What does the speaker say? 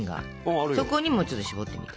そこにもちょっとしぼってみて。